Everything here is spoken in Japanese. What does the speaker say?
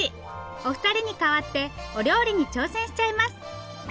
お二人に代わってお料理に挑戦しちゃいます！